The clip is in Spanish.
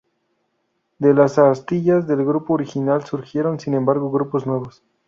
De las astillas del grupo original surgieron sin embargo grupos nuevos.